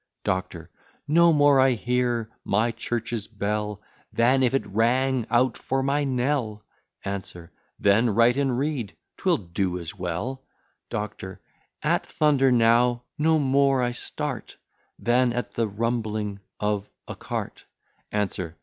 DOCTOR. No more I hear my church's bell, Than if it rang out for my knell. ANSWER. Then write and read, 'twill do as well. DOCTOR. At thunder now no more I start, Than at the rumbling of a cart. ANSWER.